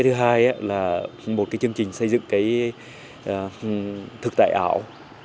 thứ hai là một chương trình xây dựng thực tại ảo